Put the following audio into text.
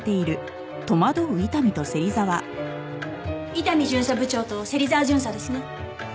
伊丹巡査部長と芹沢巡査ですね？